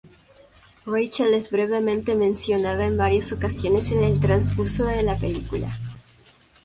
Rachel es brevemente mencionada en varias ocasiones en el transcurso de la película.